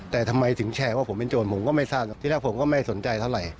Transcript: แต่ทำไมถึงแชร์ว่าผมเป็นโจรผมก็ไม่ทราบหรอกที่แรกผมก็ไม่สนใจเท่าไหร่